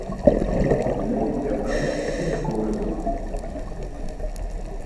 Mini oŋgɛ mam mini nga byɛɛ koo liɓɔŋ.